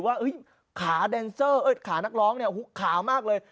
สงสัยหรือว่าขาดแดนเซอร์ขานักร้องเนี่ยขามากเลย